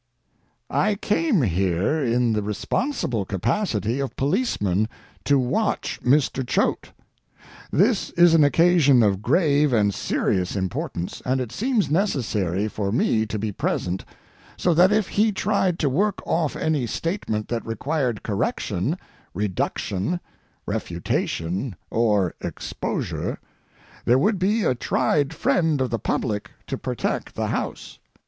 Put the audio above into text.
I came here in the responsible capacity of policeman to watch Mr. Choate. This is an occasion of grave and serious importance, and it seems necessary for me to be present, so that if he tried to work off any statement that required correction, reduction, refutation, or exposure, there would be a tried friend of the public to protect the house.